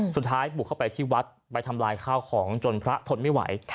สุดท้ายบุกเข้าไปที่วัดไปทำลายข้าวของจนพระทนไม่ไหว